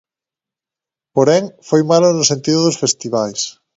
Porén, foi malo no sentido dos festivais.